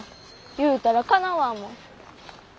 言うたらかなわんもん。